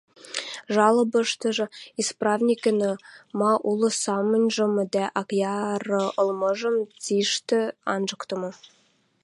Жалобыштыжы исправникӹн ма улы самыньжым, ма акъяры ылмыжым цишти анжыктымы.